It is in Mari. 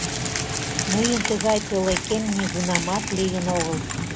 Мыйын тыгай пӧлекем нигунамат лийын огыл.